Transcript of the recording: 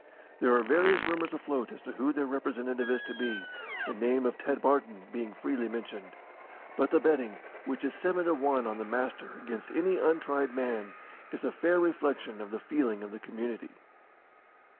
There are various rumours afloat as to who their representative is to be, the name of Ted Barton being freely mentioned; but the betting, which is seven to one on the Master against any untried man, is a fair reflection of the feeling of the community.